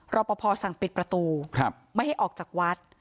รอปภสั่งปิดประตูไม่ให้ออกจากวัด